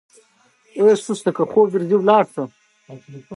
تور آسونه را روان ول.